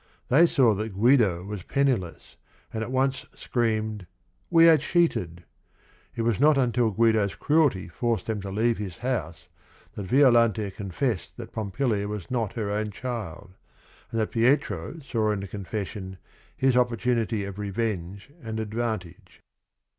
They saw that Guido was penniless, and at once screamed "We are cheated." It was not until Guido's cruelty forced them to leave his house that Violante confessed that Pompilia was not her own child, and that Pietro saw in the con fession his opportunity of revenge and advantage.